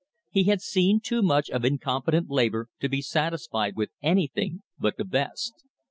He had seen too much of incompetent labor to be satisfied with anything but the best.